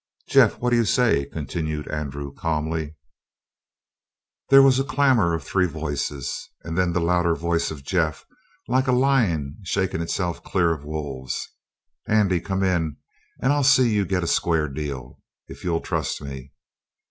"Jeff, what do you say?" continued Andrew calmly. There was a clamor of three voices and then the louder voice of Jeff, like a lion shaking itself clear of wolves: "Andy, come in, and I'll see you get a square deal if you'll trust me!"